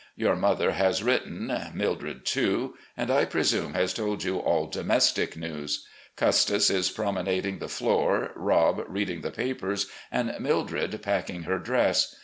Your mother has written — ^Mildred, too — ^and I presume has told you all domestic news. Custis is promenading the floor, Rob reading the papers, and Mildred packing her dress.